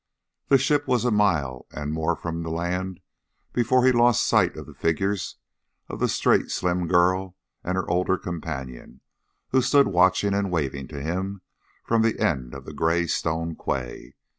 The ship was a mile and more from the land before he lost sight of the figures of the straight slim girl and her old companion, who stood watching and waving to him from the end of the grey stone quay.